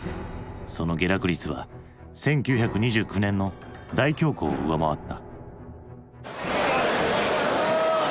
その下落率は１９２９年の大恐慌を上回った。